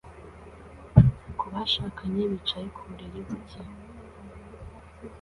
kubashakanye bicaye ku buriri buke